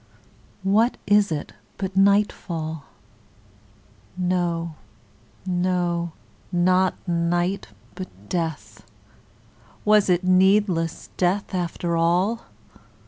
What is it but nightfall? No, no, not night but death; Was it needless death after all?